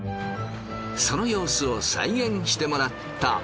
そのようすを再現してもらった。